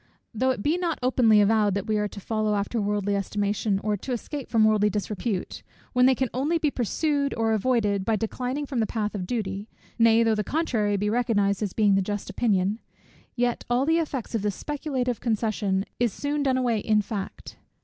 Though it be not openly avowed, that we are to follow after worldly estimation, or to escape from worldly disrepute, when they can only be pursued or avoided by declining from the path of duty; nay though the contrary be recognized as being the just opinion; yet all the effect of this speculative concession is soon done away in fact.